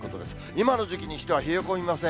今の時期にしては冷え込みません。